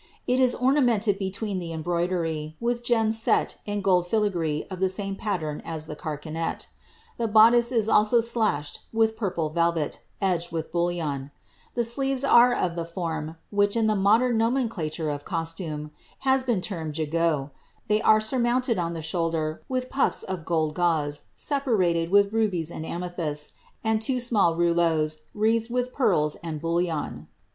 It is ornamented between the embroider) with gems set in gold filagree of the same pallern as ilie carcauet. The boddice is also slashed with purple velvet, edged with bullion. The sleeves are of the form, which, in the modern nomenclature of cotiumf, iiaa been termed gigot ; \\\e^ B\e aurmounted on the shoulder widi pulfi of gold gauze, aeparawA wftX^ t\io\«» »a4 Mllsfia■54^Ji^ Mid. wo small BLISABBTH. 18, wreathed with pearls and ballion.